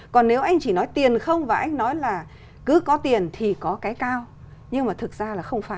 còn nếu anh chỉ nói tiền không và anh nói là cứ có tiền thì có cái cao nhưng mà thực ra là không phải